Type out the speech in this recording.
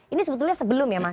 ini sebetulnya sebelum ya mas